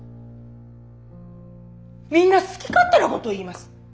みんな好き勝手なことを言います。